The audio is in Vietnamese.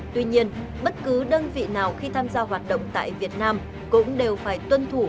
tuy nhiên bất cứ đơn vị nào khi tham gia hoạt động tại việt nam cũng đều phải tuân thủ